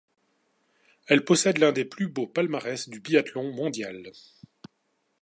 Elle possède l'un des plus beaux palmarès du biathlon mondial.